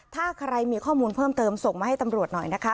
ถ้าใครมีข้อมูลเพิ่มเติมส่งมาให้ตำรวจหน่อยนะคะ